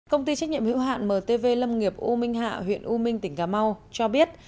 công ty trách nhiệm hữu hạn mtv lâm nghiệp u minh hạ huyện u minh tỉnh cà mau cho biết